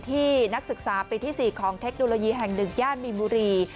นักศึกษาปีที่๔ของเทคโนโลยีแห่ง๑ย่านมีนบุรี